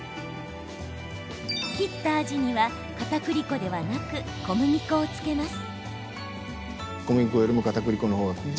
切ったアジにはかたくり粉ではなく小麦粉をつけます。